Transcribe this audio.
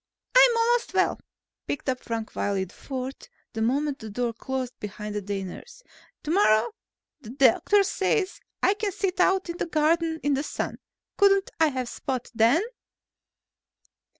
"I'm almost well," piped up Frank Wiley IV, the moment the door closed behind the day nurse. "Tomorrow, the doctor says, I can sit out in the garden in the sun. Couldn't I have Spot then?"